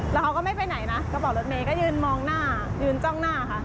แล้วเขาก็ไม่ไปไหนนะกระเป๋ารถเมย์ก็ยืนมองหน้ายืนจ้องหน้าค่ะ